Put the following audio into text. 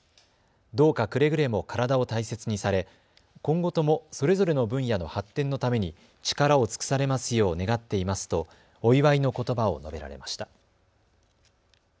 どうかくれぐれも体を大切にされ今後ともそれぞれの分野の発展のために力を尽くされますよう願っていますとお祝いのことばを述べられました。